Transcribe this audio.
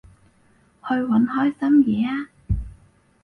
去搵開心嘢吖